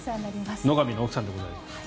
野上の奥さんでございます。